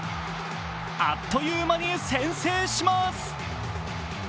あっという間に先制します。